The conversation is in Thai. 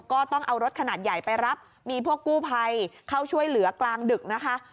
ก็ต้องเอารถขนาดใหญ่ไปรับมีพวกกู้ภัยเข้าช่วยเหลือกลางดึกนะคะ